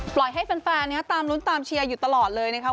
ปล่อยให้แฟนตามลุ้นตามเชียร์อยู่ตลอดเลยนะคะ